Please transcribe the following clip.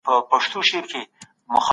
خپل کور تل په ترتیب ساتئ.